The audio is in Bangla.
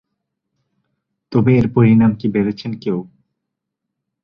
তবে এর পরিণাম কি ভেবেছেন কেউ?